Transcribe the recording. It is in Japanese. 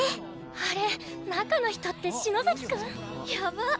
あれ中の人って篠崎くん？やばっ！